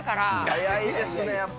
早いですね、やっぱ。